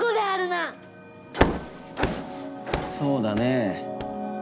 そうだねえ。